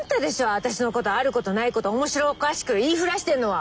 私のことあることないこと面白おかしく言いふらしてるのは！